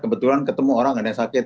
kebetulan ketemu orang yang sakit